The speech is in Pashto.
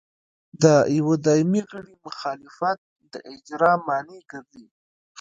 د یوه دایمي غړي مخالفت د اجرا مانع ګرځي.